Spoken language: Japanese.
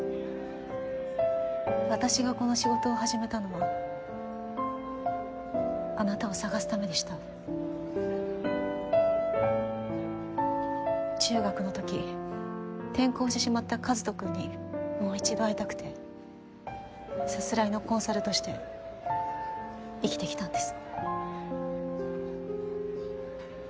私がこの仕事を始めたのはあなたを捜すためでした中学のとき転校してしまったかずと君にもう一度会いたくてさすらいのコンサルとして生きてきたんです